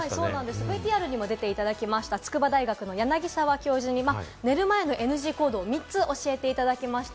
ＶＴＲにも出ていただきました、筑波大学の柳沢教授に寝る前のＮＧ行動を３つ教えていただきました。